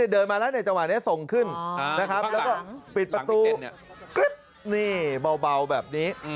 เดินมาจังหวานและส่งขึ้นและปิดประตูบ่าวแบบนี้